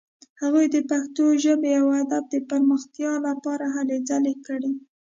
هغوی د پښتو ژبې او ادب د پرمختیا لپاره هلې ځلې کړې.